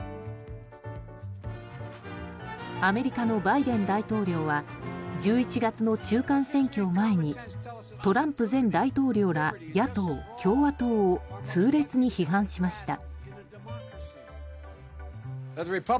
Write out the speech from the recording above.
アメリカのバイデン大統領は１１月の中間選挙を前にトランプ前大統領ら野党・共和党を痛烈に批判しました。